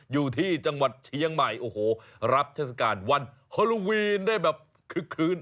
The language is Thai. อยู่ที่จังหวัดเชียงใหม่โอ้โหรับเทศกาลวันฮอโลวีนได้แบบคึกคืน